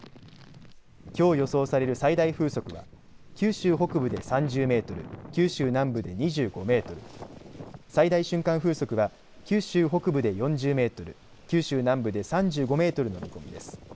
きょう予想される最大風速は九州北部で３０メートル、九州南部で２５メートル、最大瞬間風速は九州北部で４０メートル、九州南部で３５メートルの見込みです。